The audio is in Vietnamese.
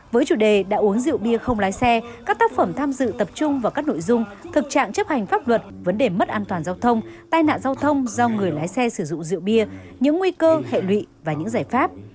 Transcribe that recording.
với chủ đề đã uống rượu bia không lái xe các tác phẩm tham dự tập trung vào các nội dung thực trạng chấp hành pháp luật vấn đề mất an toàn giao thông tai nạn giao thông do người lái xe sử dụng rượu bia những nguy cơ hệ lụy và những giải pháp